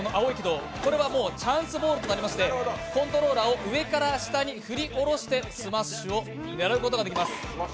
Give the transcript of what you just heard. これはチャンスボールとなりましてコントローラーを上から下に振り下ろしてスマッシュを狙うことができます。